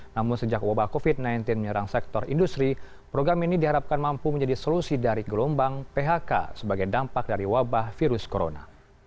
namun sejak wabah covid sembilan belas menyerang sektor industri program ini diharapkan mampu menjadi solusi dari gelombang phk sebagai dampak dari wabah virus corona